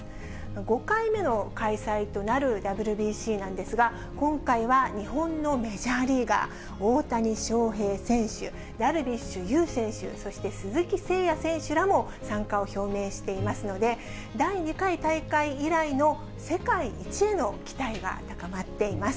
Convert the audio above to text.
５回目の開催となるＷＢＣなんですが、今回は日本のメジャーリーガー、大谷翔平選手、ダルビッシュ有選手、そして鈴木誠也選手らも参加を表明していますので、第２回大会以来の世界一への期待が高まっています。